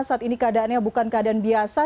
saat ini keadaannya bukan keadaan biasa